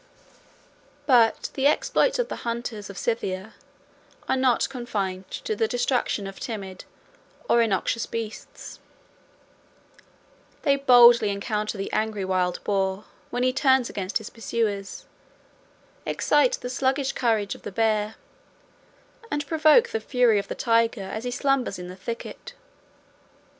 But the exploits of the hunters of Scythia are not confined to the destruction of timid or innoxious beasts; they boldly encounter the angry wild boar, when he turns against his pursuers, excite the sluggish courage of the bear, and provoke the fury of the tiger, as he slumbers in the thicket.